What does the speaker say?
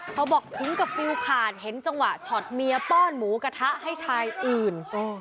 เขาบอกถึงกับฟิลขาดเห็นจังหวะช็อตเมียป้อนหมูกระทะให้ชายอื่น